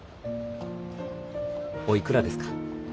おいくらですか？